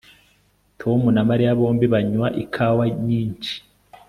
Tom na Mariya bombi banywa ikawa nyinshi